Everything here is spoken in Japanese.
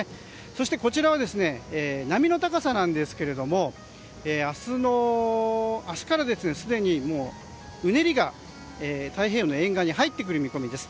そしてこちらは波の高さですが明日からすでにうねりが太平洋沿岸に入ってくる見込みです。